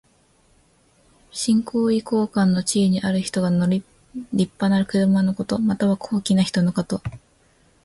身高位高官の地位にある人が乗るりっぱな車のこと。または、高貴な人のこと。